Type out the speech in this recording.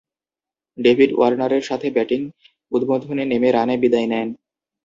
David ওয়ার্নারের সাথে batting উদ্বোধনে নেমে রানে বিদেয় নেন।